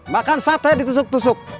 makan sate di tusuk tusuk